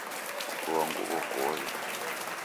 Rua nguw'o kuoghe.